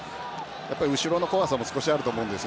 後ろの怖さもあると思います。